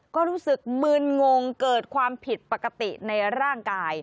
ก็รู้สึกมึนงงเกิดความผิดปกติในร่างกาย